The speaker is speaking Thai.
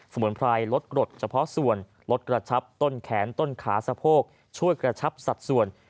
มุนไพรลดกรดเฉพาะส่วนลดกระชับต้นแขนต้นขาสะโพกช่วยกระชับสัดส่วน